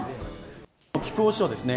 木久扇師匠ですね。